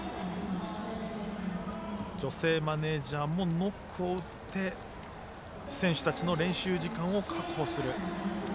女性マネージャーもノックを打って選手たちの練習時間を確保する。